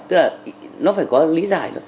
tức là nó phải có lý giải